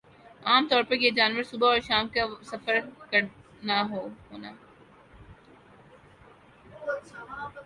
عام طور پر یِہ جانور صبح اور شام کا وقت سفر کرنا ہونا